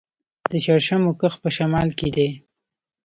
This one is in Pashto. د شړشمو کښت په شمال کې دی.